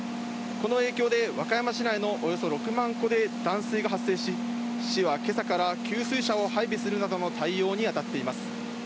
この影響で、和歌山市内のおよそ６万戸で断水が発生し、市はけさから給水車を配備するなどの対応に当たっています。